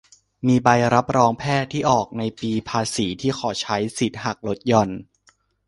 มีใบรับรองแพทย์ที่ออกในปีภาษีที่ขอใช้สิทธิ์หักลดหย่อน